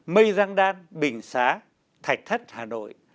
mây giang đan bình xá thạch thất hà nội